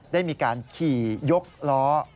ได้มีการขี่ยกล้อ